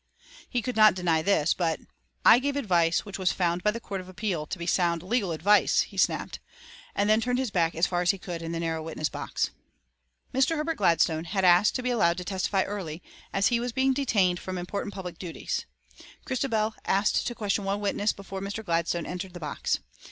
He could not deny this but, "I gave advice which was found by the Court of Appeal to be sound legal advice," he snapped, and turned his back as far as he could in the narrow witness box. Mr. Herbert Gladstone had asked to be allowed to testify early, as he was being detained from important public duties. Christabel asked to question one witness before Mr. Gladstone entered the box.